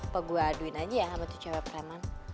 aku gue aduin aja ya sama tuh cewek preman